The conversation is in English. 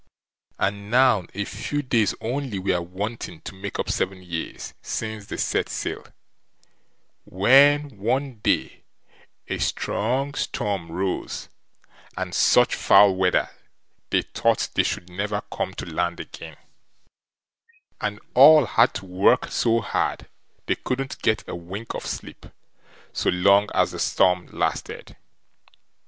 And now, a few days only were wanting to make up seven years since they set sail, when one day a strong storm rose, and such foul weather, they thought they should never come to land again, and all had to work so hard, they couldn't get a wink of sleep so long as the storm lasted.